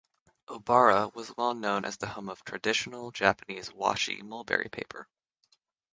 Obara was well known as the home of traditional Japanese "Washi" mulberry paper.